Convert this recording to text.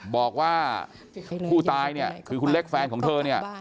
บอกว่าผู้ตายเนี่ยคือคุณเล็กแฟนของเธอเนี่ย